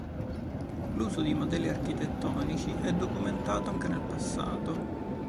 L'uso di modelli architettonici è documentato anche nel passato.